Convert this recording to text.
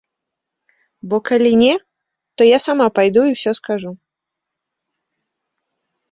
Бо калі не, то я сама пайду і ўсё скажу.